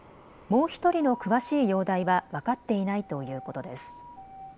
もう１人の詳しい容体は分かっていないということです。